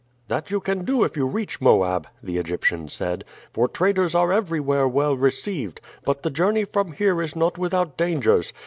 "That you can do if you reach Moab," the Egyptian said, "for traders are everywhere well received; but the journey from here is not without dangers.